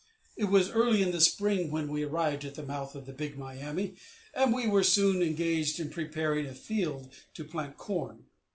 It was early in the spring when we arrived at the mouth of the Big Miami, and we were soon engaged in preparing a field to plant corn.